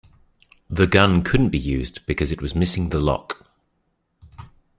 The gun couldn't be used because it was missing the lock.